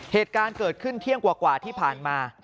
เหตุการณ์เกิดขึ้นเที่ยงกว่าที่ผ่านมา